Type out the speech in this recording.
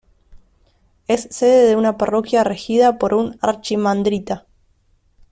Es sede de una parroquia regida por un archimandrita.